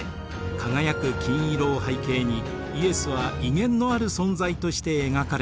輝く金色を背景にイエスは威厳のある存在として描かれています。